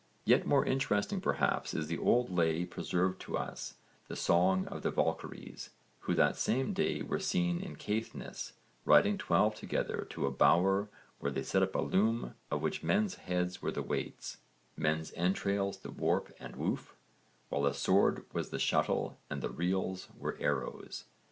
Yet more interesting perhaps is the old lay preserved to us, the Song of the Valkyries, who that same day were seen in Caithness riding twelve together to a bower where they set up a loom of which men's heads were the weights, men's entrails the warp and woof, while a sword was the shuttle and the reels were arrows.